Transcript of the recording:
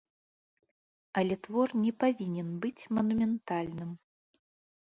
Але твор не павінен быць манументальным.